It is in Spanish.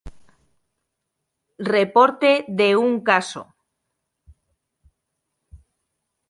Reporte de un caso.